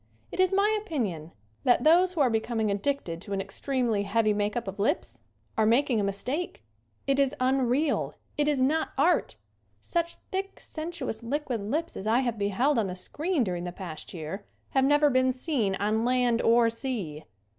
It is my opinion that those who are becoming addicted to an extremely heavy make up of lips are mak ing a mistake. It is unreal. It is not art. Such thick, sensuous, liquid lips as I have beheld on the screen during the past year have never been seen on land or sea.